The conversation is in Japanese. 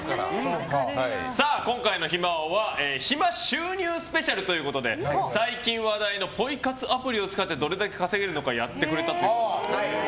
今回の暇王は暇収入スペシャルということで最近話題のポイ活アプリを使ってどれだけ稼げるのかやってくれたと。